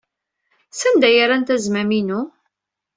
Sanda ay rrant azmam-inu?